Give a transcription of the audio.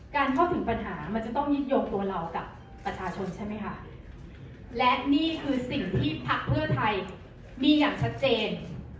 เข้าถึงปัญหามันจะต้องยึดโยงตัวเรากับประชาชนใช่ไหมคะและนี่คือสิ่งที่พักเพื่อไทยมีอย่างชัดเจน